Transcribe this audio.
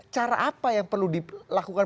cara apa yang perlu dilakukan